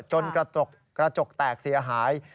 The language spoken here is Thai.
กระจกแตกเสียหาย